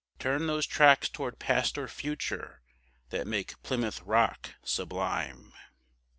Turn those tracks toward Past or Future, that make Plymouth Rock sublime?